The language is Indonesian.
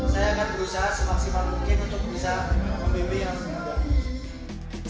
saya akan berusaha semaksimal mungkin untuk bisa membimbing yang ada